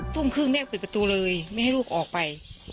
ทุ่มครึ่งแม่ปิดประตูเลยไม่ให้ลูกออกไป